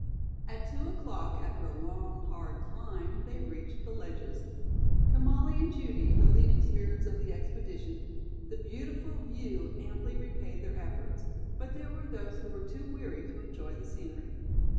At two o'clock, after a long, hard climb, they reached the ledges. To Molly and Judy, the leading spirits of the expedition, the beautiful view amply repaid their efforts, but there were those who were too weary to enjoy the scenery.